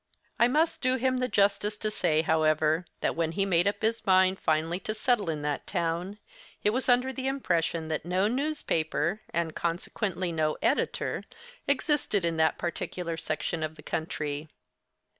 I must do him the justice to say, however, that when he made up his mind finally to settle in that town, it was under the impression that no newspaper, and consequently no editor, existed in that particular section of the country.